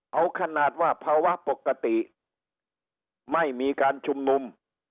เอาขนาดว่าภาวะปกติไม่มีการชุมนุม